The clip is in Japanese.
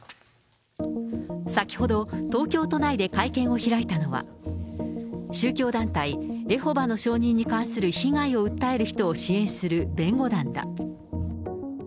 先ほど東京都内で会見を開いたのは、宗教団体エホバの証人に関する被害を訴える人を支援する弁護団だ。